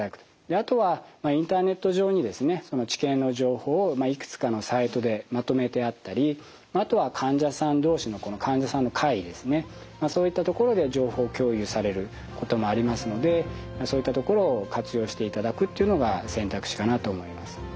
あとはインターネット上にですね治験の情報をいくつかのサイトでまとめてあったりあとは患者さん同士の患者さんの会ですねそういったところで情報共有されることもありますのでそういったところを活用していただくっていうのが選択肢かなと思います。